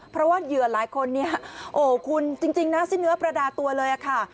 เพราะว่าเหยื่อหลายคนเนี่ยโอ้คุณจริงนะสิ้นเนื้อประดาตัวเลยค่ะ